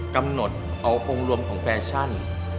กำหนดเอาองค์รวมของแฟชั่น